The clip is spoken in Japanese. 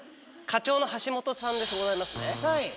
課長の橋本さんでございますね。